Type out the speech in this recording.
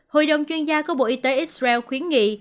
hội đồng chuyên gia của bộ y tế israel khuyến nghị